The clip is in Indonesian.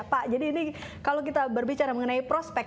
pak jadi ini kalau kita berbicara mengenai prospek